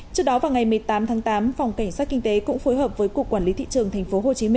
trước đó vào ngày một mươi tám tháng tám phòng cảnh sát kinh tế cũng phối hợp với cục quản lý thị trường tp hcm